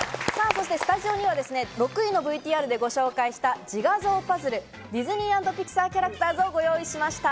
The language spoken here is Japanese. スタジオには６位のＶＴＲでご紹介したジガゾーパズル、ディズニー＆ピクサーキャラクターズをご用意しました。